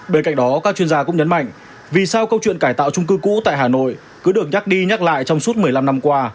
bên cạnh đó các chuyên gia cũng nhấn mạnh vì sao câu chuyện cải tạo trung cư cũ tại hà nội cứ được nhắc đi nhắc lại trong suốt một mươi năm năm qua